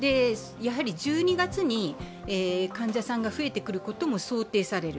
１２月に患者さんが増えてくることも想定される。